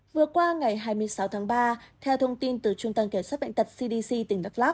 vừa qua ngày hai mươi sáu tháng ba theo thông tin từ trung tâm kẻ sát bệnh tật cdc tỉnh đắk lắk